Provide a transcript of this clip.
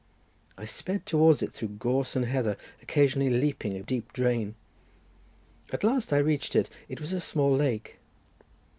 I sped towards it through gorse and heather, occasionally leaping a deep drain. At last I reached it. It was a small lake.